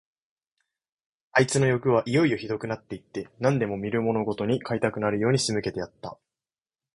あいつのよくはいよいよひどくなって行って、何でも見るものごとに買いたくなるように仕向けてやった。